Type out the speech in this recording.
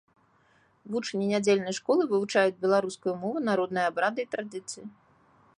Вучні нядзельнай школы вывучаюць беларускую мову, народныя абрады і традыцыі.